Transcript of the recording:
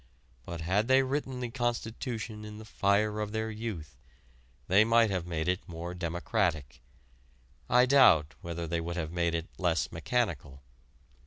But had they written the Constitution in the fire of their youth, they might have made it more democratic, I doubt whether they would have made it less mechanical.